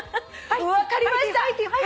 分かりました！